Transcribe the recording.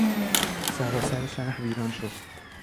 سراسر شهر ویران شد.